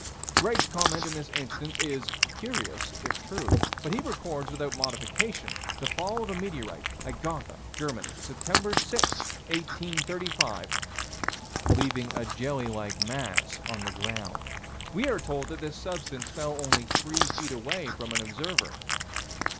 Greg's comment in this instance is: "Curious if true." But he records without modification the fall of a meteorite at Gotha, Germany, Sept. 6, 1835, "leaving a jelly like mass on the ground." We are told that this substance fell only three feet away from an observer.